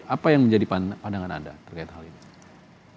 apa yang menjadi pandangan anda terkait hal ini